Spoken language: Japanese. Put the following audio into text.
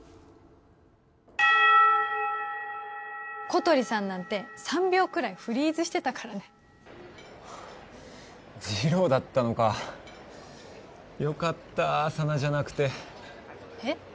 小鳥さんなんて３秒くらいフリーズしてたからね次郎だったのかよかった佐奈じゃなくてえっ？